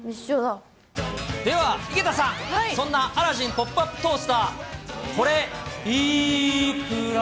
では、井桁さん、そんなアラジンホップアップトースター、これ、いくら？